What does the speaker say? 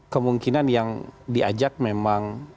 kemungkinan yang diajak memang